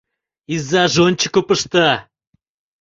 Изаж ончыко пышта.